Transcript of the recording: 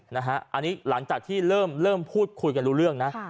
อันนี้หลังจากที่เริ่มพูดคุยกันรู้เรื่องนะ